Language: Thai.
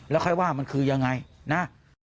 แล้วค่อยว่ามันคือยังไงนะ